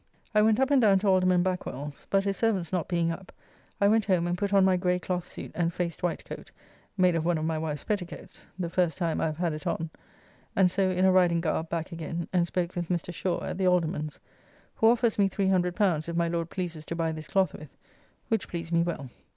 I went up and down to Alderman Backwell's, but his servants not being up, I went home and put on my gray cloth suit and faced white coat, made of one of my wife's pettycoates, the first time I have had it on, and so in a riding garb back again and spoke with Mr. Shaw at the Alderman's, who offers me L300 if my Lord pleases to buy this cloth with, which pleased me well.